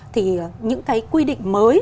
thì những cái quy định mới